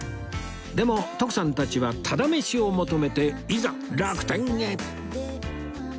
でも徳さんたちはタダ飯を求めていざ楽天へ！